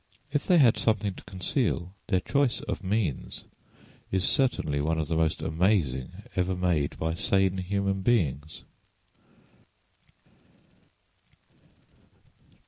If they had something to conceal, their choice of means is certainly one of the most amazing ever made by sane human beings.